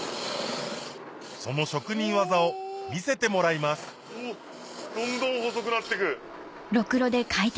その職人技を見せてもらいますどんどん細くなってく。